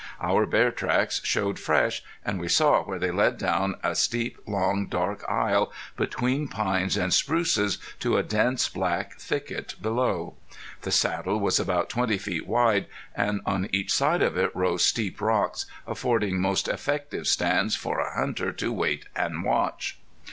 Our bear tracks showed fresh, and we saw where they led down a steep, long, dark aisle between pines and spruces to a dense black thicket below. The saddle was about twenty feet wide, and on each side of it rose steep rocks, affording most effective stands for a hunter to wait and watch.